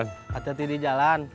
hati hati di jalan